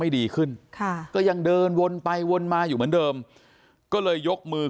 ดีขึ้นค่ะก็ยังเดินวนไปวนมาอยู่เหมือนเดิมก็เลยยกมือ